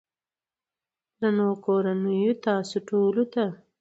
درنو کورنيو تاسو ټولو ته